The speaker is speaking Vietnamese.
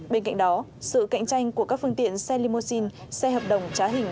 bên cạnh đó sự cạnh tranh của các phương tiện xe limousine xe hợp đồng trá hình